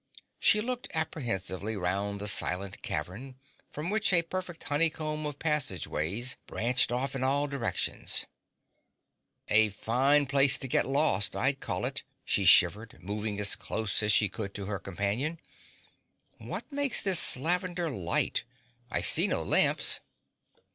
She looked apprehensively round the silent cavern, from which a perfect honeycomb of passageways branched off in all directions. "A fine place to get lost, I'd call it," she shivered, moving as close as she could to her companion. "What makes this lavender light? I see no lamps."